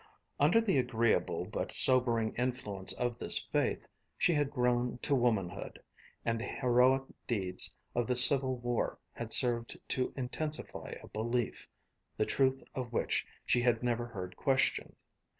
Under the agreeable but sobering influence of this faith she had grown to womanhood, and the heroic deeds of the civil war had served to intensify a belief, the truth of which she had never heard questioned.